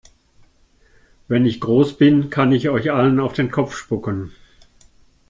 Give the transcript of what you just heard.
Wenn ich groß bin, kann ich euch allen auf den Kopf spucken!